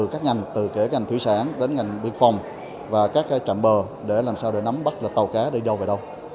kể cả ngành thủy sản đến ngành biên phòng và các trạm bờ để làm sao để nắm bắt tàu cá đi đâu về đâu